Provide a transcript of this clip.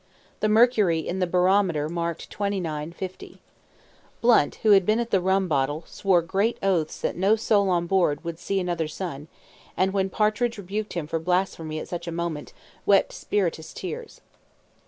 The mercury in the barometer marked 29:50. Blunt, who had been at the rum bottle, swore great oaths that no soul on board would see another sun; and when Partridge rebuked him for blasphemy at such a moment, wept spirituous tears.